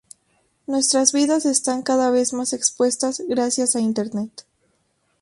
nuestras vidas están cada vez más expuestas gracias a internet